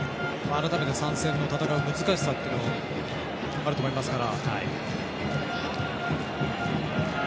改めて３戦、戦う難しさというのがあると思いますから。